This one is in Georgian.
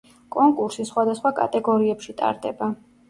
კონკურსი სხვადასხვა კატეგორიებში ტარდება.